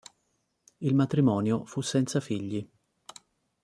Il matrimonio fu senza figli.